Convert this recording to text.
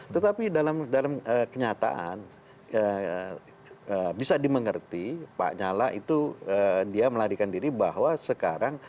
tetapi dalam kenyataan bisa dimengerti pak nyala itu dia melarikan diri bahwa sekarang